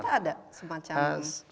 kita ada semacamnya